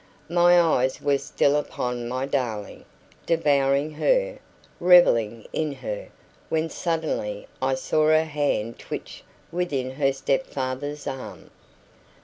My eyes were still upon my darling, devouring her, revelling in her, when suddenly I saw her hand twitch within her step father's arm.